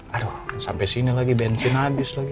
aduh sampai sini lagi bensin habis lagi